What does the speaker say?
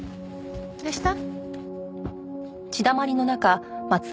どうした？